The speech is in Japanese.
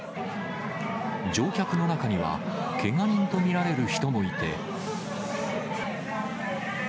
乗客の中には、けが人と見られる人もいて。